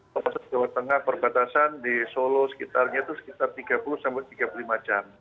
kalau setelah tengah perbatasan di solo sekitarnya itu sekitar tiga puluh sampai tiga puluh lima jam